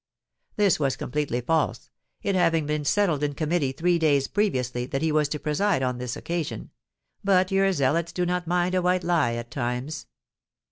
[_This was completely false, it having been settled in Committee three days previously that he was to preside on this occasion; but your zealots do not mind a white lie at times.